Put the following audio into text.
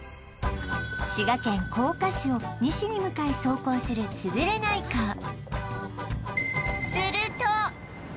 滋賀県甲賀市を西に向かい走行するつぶれないカー